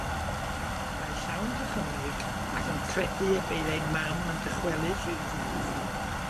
Mae'n llawn dychymyg ac yn credu y bydd ei mam yn dychwelyd rhyw ddydd.